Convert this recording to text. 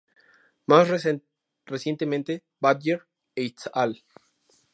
Más recientemente Badger "et al.